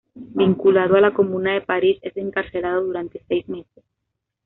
Vinculado a la Comuna de París, es encarcelado durante seis meses.